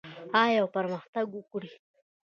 آیا او پرمختګ وکړي؟